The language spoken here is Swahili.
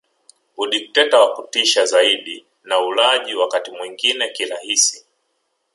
Udikteta wa kutisha zaidi na ulaji wakati mwingine kihalisi